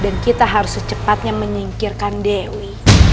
dan kita harus secepatnya menyingkirkan dewi